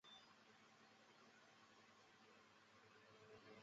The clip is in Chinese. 而如果在会考或其它的检查之后学校就直接将这些科目从课程表上删除。